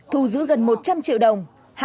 thù giữ gần một trăm linh triệu đồng